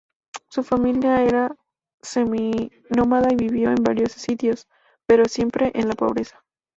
Su familia era seminómada y vivió en varios sitios, pero siempre en la pobreza.